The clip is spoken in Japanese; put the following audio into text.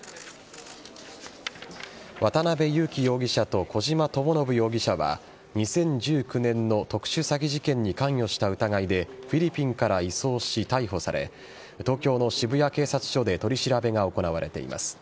渡辺優樹容疑者と小島智信容疑者は２０１９年の特殊詐欺事件に関与した疑いでフィリピンから移送し逮捕され東京の渋谷警察署で取り調べが行われています。